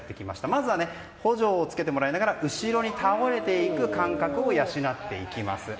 まずは補助をつけてもらいながら後ろに倒れていく感覚を養っていきます。